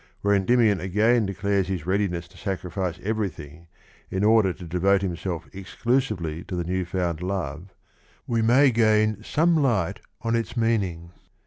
where Endymion again declares his readiness to sacrifice everything in order to devote himself exclusively to the new found love, we may gain some light on its meaning.